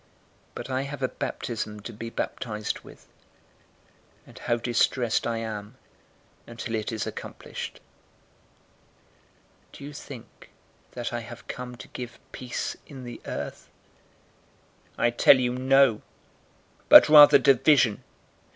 012:050 But I have a baptism to be baptized with, and how distressed I am until it is accomplished! 012:051 Do you think that I have come to give peace in the earth? I tell you, no, but rather division.